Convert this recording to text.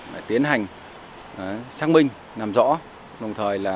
để tiến hành xác minh làm rõ